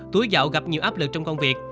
tuổi giàu gặp nhiều áp lực trong công việc